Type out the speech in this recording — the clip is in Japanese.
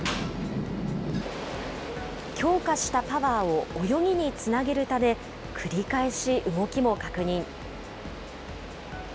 強化したパワーを泳ぎにつなげるため、繰り返し動きも確認。